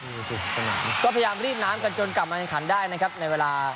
ดูสิสนามก็พยายามรีดน้ำกันจนกลับมาแข่งขันได้นะครับในเวลา